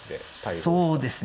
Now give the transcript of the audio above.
そうですね。